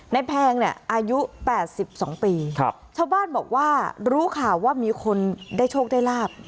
นายแพงอายุ๘๒ปีครับชาวบ้านบอกว่ารู้ค่ะว่ามีคนได้โชคได้ลาบ